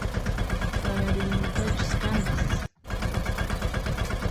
Pararimunqachus kanpis